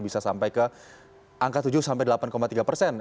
bisa sampai ke angka tujuh sampai delapan tiga persen